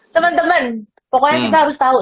teman teman pokoknya kita harus tahu